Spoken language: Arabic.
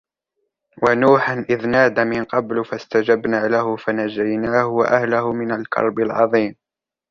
وَنُوحًا إِذْ نَادَى مِنْ قَبْلُ فَاسْتَجَبْنَا لَهُ فَنَجَّيْنَاهُ وَأَهْلَهُ مِنَ الْكَرْبِ الْعَظِيمِ